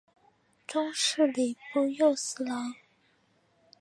终仕礼部右侍郎。